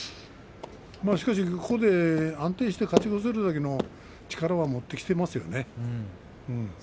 しかしここで安定して勝ち越せるだけの力を持ってきていますね。